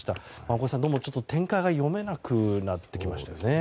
大越さん、ちょっと展開が読めなくなってきましたね。